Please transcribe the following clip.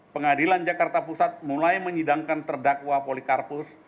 pengadilan jakarta pusat mulai menyidangkan terdakwa polikarpus